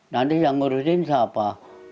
nanti yang ngurusin siapa